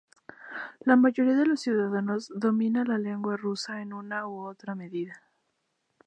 La mayoría de los ciudadanos dominan la lengua rusa en una u otra medida.